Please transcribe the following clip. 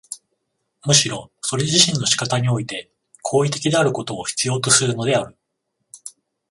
むしろそれ自身の仕方において行為的であることを必要とするのである。